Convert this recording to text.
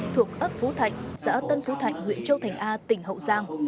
thuộc ấp phú thạnh xã tân phú thạnh huyện châu thành a tỉnh hậu giang